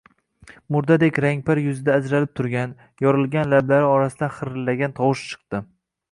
Murdadek rangpar yuzida ajralib turgan, yorilgan lablari orasidan xirillagan tovush chiqdi